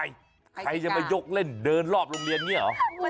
ใครจะมายกเล่นเดินรอบโรงเรียนเนี่ยเหรอ